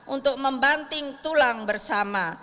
untuk membanting tulang bersama